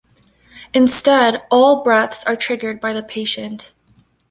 Instead, all breaths are triggered by the patient.